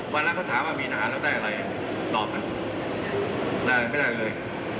วันหน้าก็ถามว่ามีอาหารแล้วได้อะไรตอบนะได้อะไรไม่ได้เลย